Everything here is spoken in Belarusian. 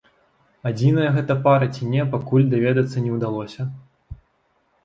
Адзіная гэта пара ці не, пакуль даведацца не ўдалося.